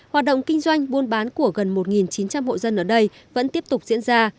hoạt động kinh doanh buôn bán của gần một chín trăm linh hộ dân ở đây vẫn tiếp tục diễn ra